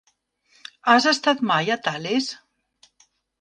Has estat mai a Tales?